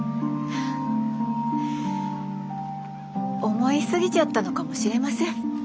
思い過ぎちゃったのかもしれません。